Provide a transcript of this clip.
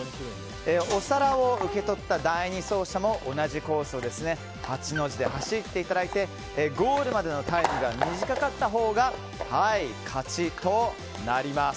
お皿を受け取った第２走者も同じコースを８の字で走っていただいてゴールまでのタイムが短かったほうが勝ちとなります。